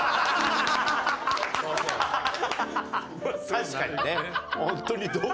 確かにね。